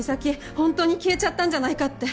本当に消えちゃったんじゃないかって。